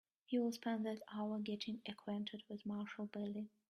You will spend that hour getting acquainted with Marshall Bailey.